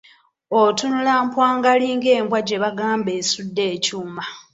Atunula mpwangali nga embwa gye bagamba esudde ekyuma!